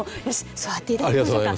座っていただきましょうか。